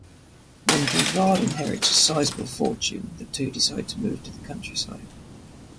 When Bouvard inherits a sizable fortune, the two decide to move to the countryside.